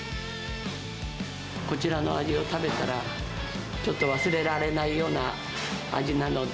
こちらの味を食べたら、ちょっと忘れられないような味なので。